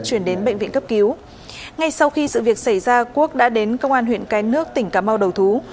chuyển đến bệnh viện cấp cứu ngay sau khi sự việc xảy ra quốc đã đến công an huyện cái nước tỉnh cà mau đầu thú